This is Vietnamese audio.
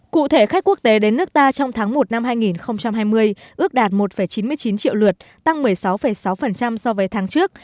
cụ thể khách quốc tế đến nước ta trong tháng một năm hai nghìn hai mươi ước đạt một chín mươi chín triệu lượt tăng một mươi sáu sáu so với tháng trước